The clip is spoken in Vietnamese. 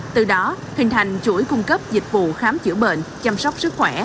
từ đó hình thành chuỗi cung cấp dịch vụ khám chữa bệnh chăm sóc sức khỏe